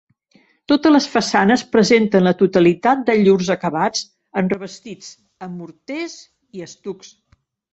Totes les façanes presenten la totalitat de llurs acabats en revestits amb morters i estucs.